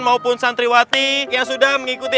maupun santriwati yang sudah mengikuti